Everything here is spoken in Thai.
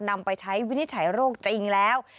นำไปใช้วินิจฉัยโรคจริงแล้ว